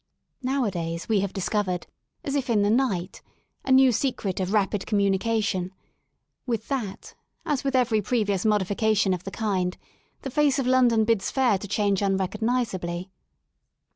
Nowadays we have discovered, as if in the night, a new secret of rapid communica tion: with that, as with every previous modification of the kind, the face of London bids fair to change unrecognisably.